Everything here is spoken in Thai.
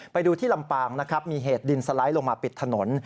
ไปดูที่ลำปางนะครับมีเหตุดินสไลด์ลงมาปิดถนน